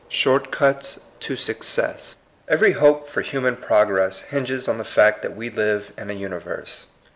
SHORT CUTS TO SUCCESS. Evert hope for human progress binges on the fact that we live in a nniyerse.